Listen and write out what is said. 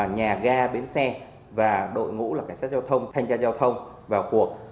nhà ga bến xe và đội ngũ là cảnh sát giao thông thanh gia giao thông vào cuộc